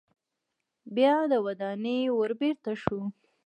بیا د ودانۍ ور بیرته شو.